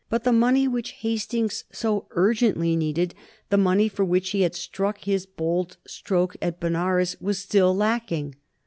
But the money which Hastings so urgently needed, the money for which he had struck his bold stroke at Benares, was still lacking.